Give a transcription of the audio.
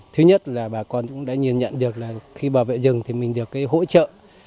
thứ nhất là bà con cũng đã nhìn nhận được là khi bảo vệ rừng thì mình được hỗ trợ